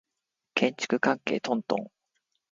建築関係トントン